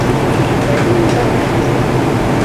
Kevin lo rechazó.